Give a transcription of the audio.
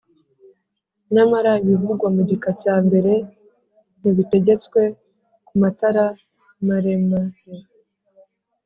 Nyamara ibivugwa ku gika cya mbere ntibitegetswe ku matara maremar